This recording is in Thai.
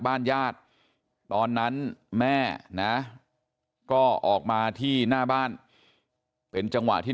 บ้านญาติตอนนั้นแม่นะก็ออกมาที่หน้าบ้านเป็นจังหวะที่